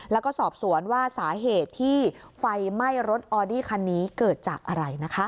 แล้วก็สอบสวนว่าสาเหตุที่ไฟไหม้รถออดี้คันนี้เกิดจากอะไรนะคะ